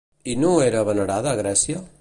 Ino era venerada a Grècia?